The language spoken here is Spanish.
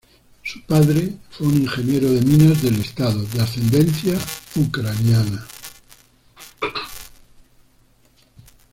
Su padre fue un ingeniero de minas del Estado, de ascendencia ucraniana.